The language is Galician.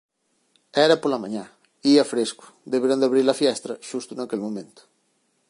Era pola mañá, ía fresco, deberan de abrir a fiestra xusto naquel momento.